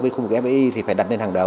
với khu vực fdi thì phải đặt lên hàng đầu